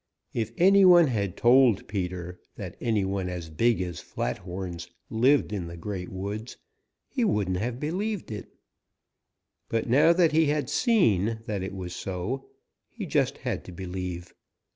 If any one had told Peter that any one as big as Flathorns lived in the Great Woods, he wouldn't have believed it, but now that he had seen that it was so, he just had to believe.